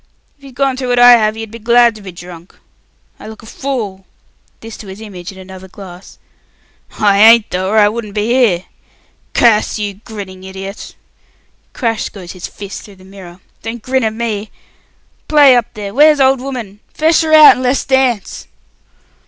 If you'd gone through what I have, you'd be glad to be drunk. I look a fool" this to his image in another glass. "I ain't though, or I wouldn't be here. Curse you, you grinning idiot" crash goes his fist through the mirror "don't grin at me. Play up there! Where's old woman? Fetch her out and let's dance!"